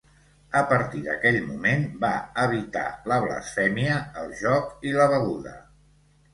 A partir d'aquell moment va evitar la blasfèmia, el joc i la beguda.